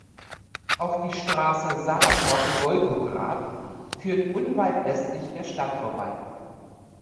Auch die Straße Saratow–Wolgograd führt unweit westlich der Stadt vorbei.